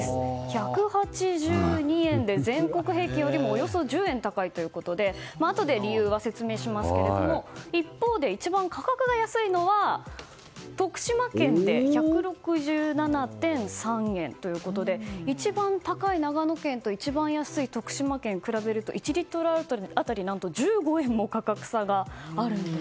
１８２円で全国平均よりもおよそ１０円高いということであとで理由は説明しますが一方で一番価格が安いのが徳島県で１６７．３円ということで一番高い長野県と一番安い徳島県を比べると１リットル当たり、何と１５円も価格差があるんです。